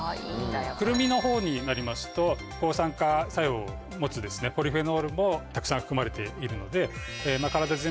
クルミのほうになりますと抗酸化作用を持つポリフェノールもたくさん含まれているので。